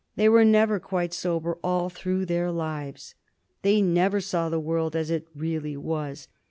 They were never quite sober all through their lives. They never saw the world as it really was.